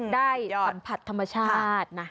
ได้สัมผัสธรรมชาตินะ